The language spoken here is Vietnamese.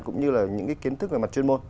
cũng như là những cái kiến thức về mặt chuyên môn